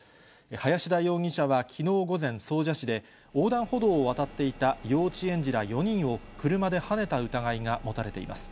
林田容疑者はきのう午前、総社市で、横断歩道を渡っていた幼稚園児ら４人を、車ではねた疑いが持たれています。